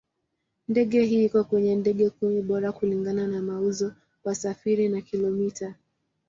Ndege hii iko kwenye ndege kumi bora kulingana na mauzo, wasafiri na kilomita.